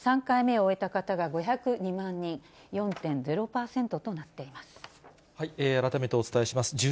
３回目を終えた方が５０２万人、４．０％となっています。